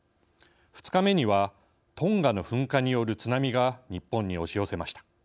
２日目にはトンガの噴火による津波が日本に押し寄せました。